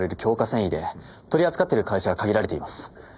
繊維で取り扱ってる会社は限られています。